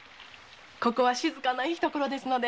ここは静かないい所です。